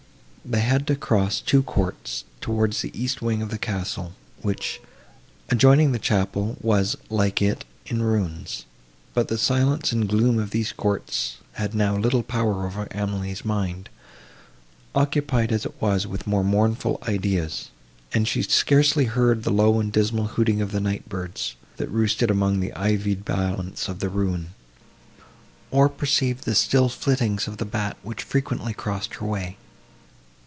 They had to cross two courts, towards the east wing of the castle, which, adjoining the chapel, was, like it, in ruins: but the silence and gloom of these courts had now little power over Emily's mind, occupied as it was, with more mournful ideas; and she scarcely heard the low and dismal hooting of the night birds, that roosted among the ivied battlements of the ruin, or perceived the still flittings of the bat, which frequently crossed her way.